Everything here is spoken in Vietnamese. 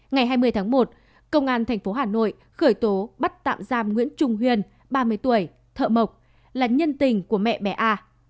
ngày hai mươi tháng một công an tp hà nội khởi tố bắt tạm giam nguyễn trung huyền ba mươi tuổi thợ mộc là nhân tình của mẹ bé a